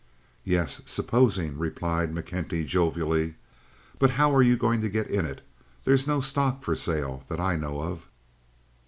"Yes, supposing," replied McKenty, jovially. "But how are you to get in it? There's no stock for sale that I know of."